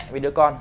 với đứa con